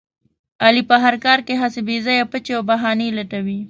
علي په هر کار کې هسې بې ځایه پچې او بهانې لټوي.